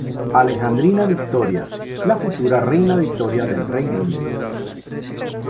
Alejandrina Victoria, la futura reina Victoria del Reino Unido.